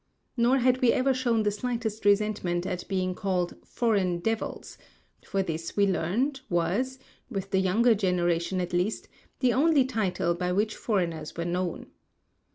Nor had we ever shown the slightest resentment at being called "foreign devils"; for this, we learned, was, with the younger generation at least, the only title by which foreigners were known.